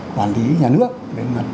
quản lý nhà nước